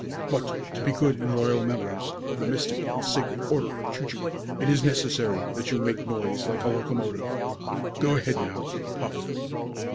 But, to be good and loyal members of the Mystic and Sacred Order of Choo Choo, it is necessary that you make a noise like a locomotive. Go ahead now, puff!"